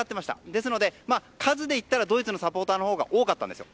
ですので、数でいったらドイツのサポーターのほうが多かったんですよ。